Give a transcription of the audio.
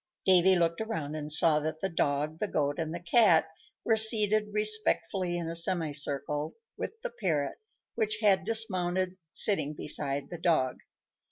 Davy looked around and saw that the dog, the goat, and the cat were seated respectfully in a semicircle, with the parrot, which had dismounted, sitting beside the dog.